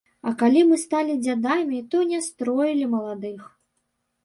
А калі мы сталі дзядамі, то не строілі маладых.